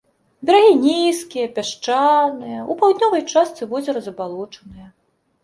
Берагі нізкія, пясчаныя, у паўднёвай частцы возера забалочаныя.